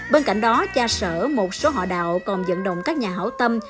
bên cạnh đó cha sở một số họ đạo còn dẫn động các nhà hảo tâm